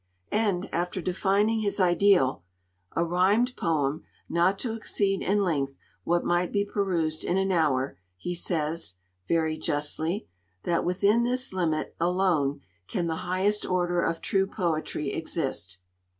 And, after defining his ideal, 'a rhymed poem, not to exceed in length what might be perused in an hour,' he says, very justly, that 'within this limit alone can the highest order of true poetry exist.'